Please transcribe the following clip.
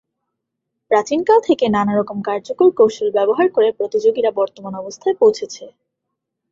প্রাচীন কাল থেকে, নানারকম কার্যকর কৌশল ব্যবহার করে প্রতিযোগীরা বর্তমান অবস্থায় পৌঁছেছে।